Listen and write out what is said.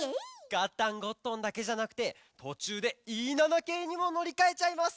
「ガッタン＆ゴットン」だけじゃなくてとちゅうで「Ｅ７系」にものりかえちゃいます！